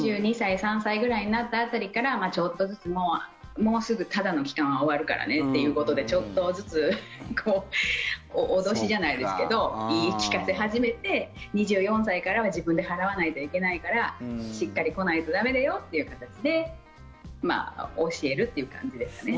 ２２歳、２３歳ぐらいになった辺りから、ちょっとずつもうすぐタダの期間は終わるからねっていうことでちょっとずつ脅しじゃないですけど言い聞かせ始めて２４歳からは自分で払わないといけないからしっかり来ないと駄目だよという形で教えるっていう感じですかね。